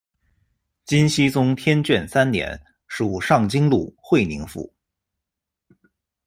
金熙宗天眷三年，属上京路会宁府。